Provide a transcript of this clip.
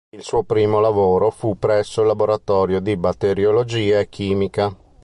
Il suo primo lavoro fu presso il Laboratorio di Batteriologia e Chimica.